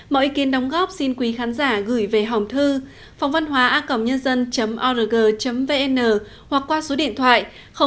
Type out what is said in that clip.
mọi ý kiến đóng góp xin quý khán giả gửi về hòm thư phongvănhoa org vn hoặc qua số điện thoại hai trăm bốn mươi ba hai trăm sáu mươi sáu chín nghìn năm trăm linh tám